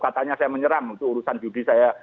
katanya saya menyerang itu urusan judi saya